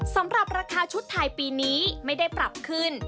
สำหรับราคาชุดไทยปีนี้ไม่ได้ปรับขึ้น